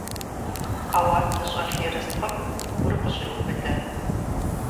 Къэуат зыщӀэлъ ерыскъым гур къыщӀеубыдэ.